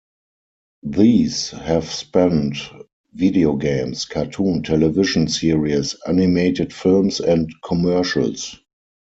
These have spanned video games, cartoon television series, animated films and commercials.